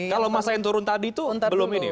kalau masa yang turun tadi tuh belum ini ya